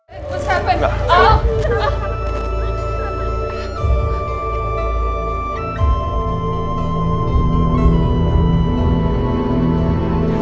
apa yang terjadi